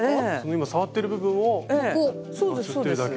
今触っている部分をまつってるだけ。